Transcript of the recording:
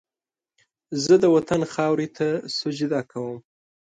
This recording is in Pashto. زه د وطن خاورې ته سجده کوم